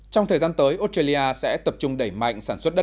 trong thời gian tới australia sẽ tập trung đẩy mạnh sản xuất đồ chơi